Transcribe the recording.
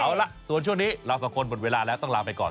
เอาล่ะส่วนช่วงนี้เราสองคนหมดเวลาแล้วต้องลาไปก่อน